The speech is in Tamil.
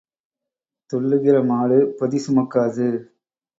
துள்ளுகிற மாடு பொதி சுமக்காது.